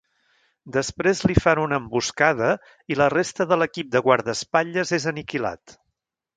Després li fan una emboscada i la resta de l'equip de guardaespatlles és aniquilat.